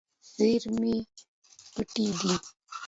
زیرمې پټ دي.